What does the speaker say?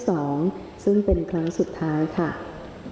จะใช้อุปกรณ์ออกรางวัลหลักที่๕